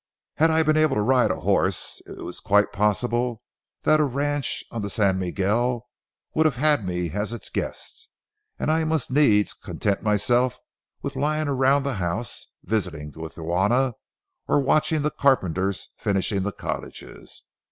Had I been able to ride a horse, it is quite possible that a ranch on the San Miguel would have had me as its guest; but I must needs content myself with lying around the house, visiting with Juana, or watching the carpenter finishing the cottages.